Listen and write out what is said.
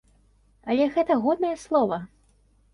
Але гэта годнае слова.